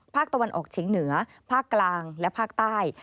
ภาคตะวันออกเฉียงเหนือภาคกลางและภาคใต้